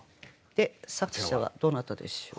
作者はどなたでしょう？